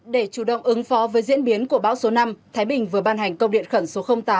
để chủ động ứng phó với diễn biến của bão số năm thái bình vừa ban hành công điện khẩn số tám